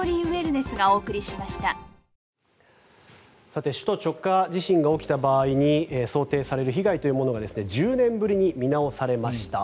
さて首都直下地震が起きた場合に想定される被害というものが１０年ぶりに見直されました。